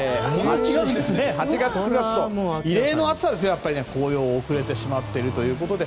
８月、９月と異例の暑さでしたから紅葉が遅れてしまっているということで。